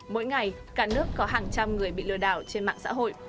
mỗi ngày cả nước có hàng trăm người bị lừa đảo trên mạng xã hội